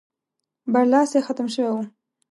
برلاسی ختم شوی وو.